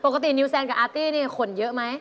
นิวแซนกับอาร์ตี้นี่ขนเยอะไหม